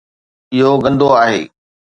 اهو گندو آهي